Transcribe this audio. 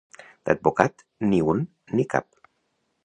D'advocat, ni un ni cap.